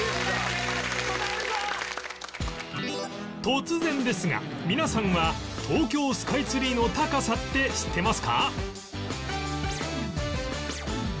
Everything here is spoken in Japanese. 突然ですが皆さんは東京スカイツリーの高さって知ってますか？